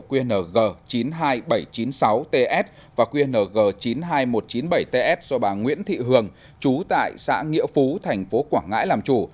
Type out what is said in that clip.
qng chín mươi hai nghìn bảy trăm chín mươi sáu ts và qng chín mươi hai nghìn một trăm chín mươi bảy ts do bà nguyễn thị hường chú tại xã nghĩa phú thành phố quảng ngãi làm chủ